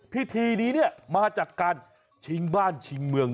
พิธีนี้เนี่ยมาจากการชิงบ้านชิงเมือง